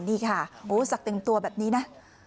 นี่ค่ะสักตึงตัวแบบนี้นะ